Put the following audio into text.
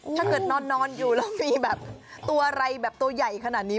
ถ้าเกิดนอนอยู่แล้วมีแบบตัวอะไรแบบตัวใหญ่ขนาดนี้